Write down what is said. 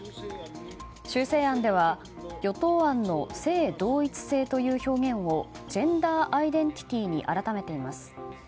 修正案では与党案の性同一性という表現をジェンダーアイデンティティーに改めています。